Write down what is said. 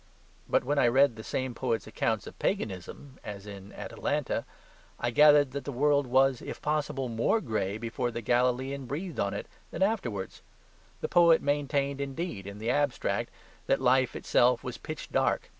But when I read the same poet's accounts of paganism (as in "Atalanta"), I gathered that the world was, if possible, more gray before the Galilean breathed on it than afterwards. The poet maintained, indeed, in the abstract, that life itself was pitch dark.